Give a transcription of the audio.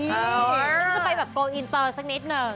ฉันก็จะไปโปรอินเตอร์สักนิดหนึ่ง